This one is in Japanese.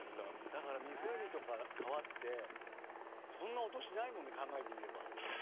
だから湖とか川ってそんな音しないもんね考えてみれば。